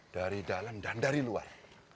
dari dalam dan dari luar